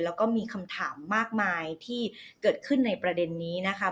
แล้วก็มีคำถามมากมายที่เกิดขึ้นในประเด็นนี้นะคะ